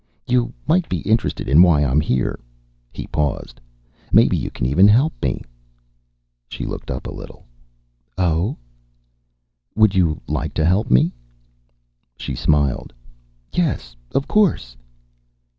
"You might be interested in why I'm here." He paused. "Maybe you can even help me." She looked up a little. "Oh?" "Would you like to help me?" She smiled. "Yes. Of course."